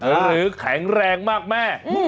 หรือแข็งแรงมากแม่